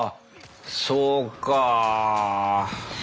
そうか。